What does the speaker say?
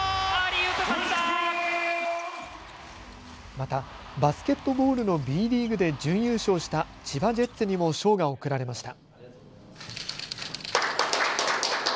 またバスケットボールのＢリーグで準優勝した千葉ジェッツにも賞が贈られました。